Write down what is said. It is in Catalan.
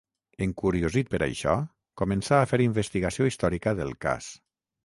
Encuriosit per això, començà a fer investigació històrica del cas.